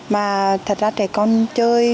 mà thật ra trẻ con chơi